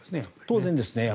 当然ですね。